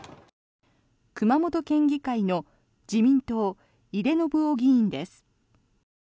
熊本県議会の自民党、井手順雄議員です。